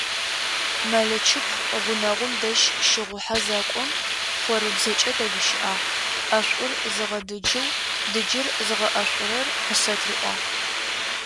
Мэлычыпхъу гъунэгъум дэжь щыгъухьэ зэкӏом хъорыбзэкӏэ дэгущыӏагъ: «ӏэшӏур зыгъэдыджэу, дыджыр зыгъэӏэшӏурэр къысэт» риӏуагъ.